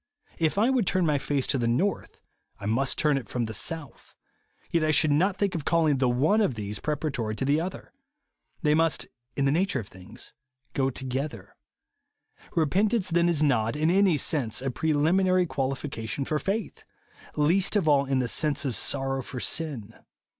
If I v/ould turn my face to the north, I m.ust turn it from the south ; yet I should not think of calling the one of these pre paratory to the other. They must, in the nature of things, go together. Repentance then is not, in any sense, a preliminary qualification for faith, — least of all in the sense of sorrow for sin.